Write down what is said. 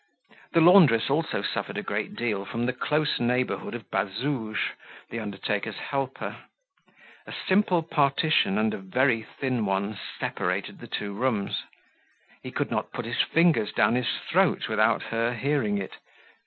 The laundress also suffered a great deal from the close neighborhood of Bazouge, the undertaker's helper. A simple partition, and a very thin one, separated the two rooms. He could not put his fingers down his throat without her hearing it.